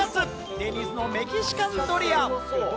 デニーズのメキシカンドリア。